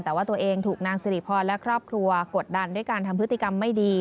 แต่ว่าตัวเองถูกนางสิริพรและครอบครัวกดดันด้วยการทำพฤติกรรมไม่ดี